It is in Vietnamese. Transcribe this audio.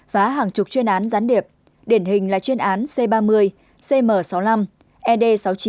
phá hàng chục chuyên án gián điệp điển hình là chuyên án c ba mươi cm sáu mươi năm ed sáu mươi chín